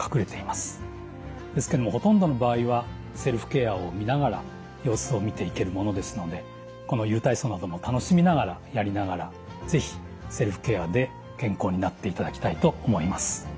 ですけどもほとんどの場合はセルフケアを見ながら様子を見ていけるものですのでこのゆる体操なども楽しみながらやりながら是非セルフケアで健康になっていただきたいと思います。